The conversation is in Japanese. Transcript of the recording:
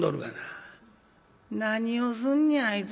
何をすんねやあいつ。